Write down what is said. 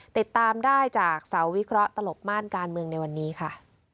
ติดตามได้จากเสาวิเคราะห์ตลบม่านการเมืองในวันนี้ค่ะ